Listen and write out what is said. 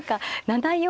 ７四